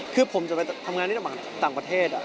คือผมจะไปทำงานที่ต่างประเทศ